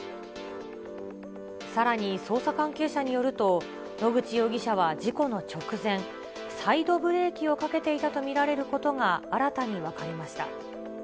さらに捜査関係者によると、野口容疑者は事故の直前、サイドブレーキをかけていたと見られることが新たに分かりました。